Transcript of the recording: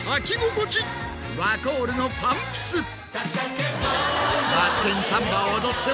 ワコールのパンプス。